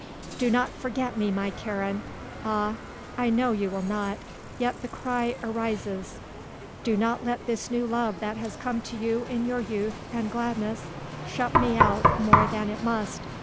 "Do not forget me, my Karen. Ah, I know you will not, yet the cry arises. Do not let this new love that has come to you in your youth and gladness shut me out more than it must.